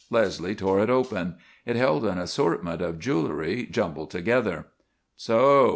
Leslie tore it open. It held an assortment of jewelry, jumbled together. "So!"